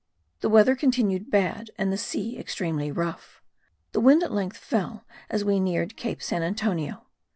The weather continued bad and the sea extremely rough. The wind at length fell as we neared Cape St. Antonio.